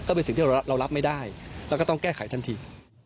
เป็นสิ่งที่เรารับไม่ได้แล้วก็ต้องแก้ไขทันที